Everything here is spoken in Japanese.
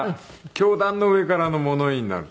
教壇の上からの物言いになる。